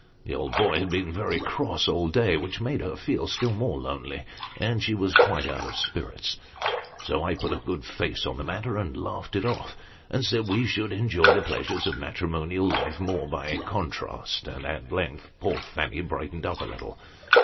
The old boy had been very cross all day, which made her feel still more lonely ; and she was quite out of spirits. So, I put a good face on the matter, and laughed it off, and said we should enjoy the pleasures of a matrimonial life more by contrast ; and, at length, poor Fanny brightened up a little.